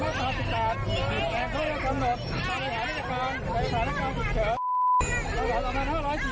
กี่จดแรงเครื่องทำเริกตราบรายแหล่นวิธีกรรมในสารกำศึกเฉิน